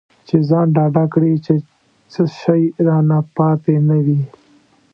چې ځان ډاډه کړي چې څه شی رانه پاتې نه وي.